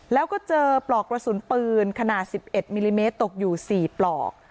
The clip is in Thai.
แล้วก็เจอปลอกกระสุนปืนขนาด๑๑มิลลิเมตรตกอยู่๔ปลอก